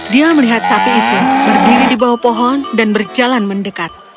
dia melihat sapi itu berdiri di bawah pohon dan berjalan mendekat